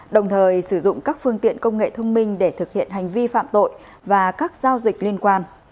đồng thời sử dụng các phương tiện công nghệ thông minh để thực hiện hành vi phạm tội và các giao dịch liên quan